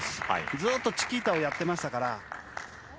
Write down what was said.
ずっとチキータをやってましたから。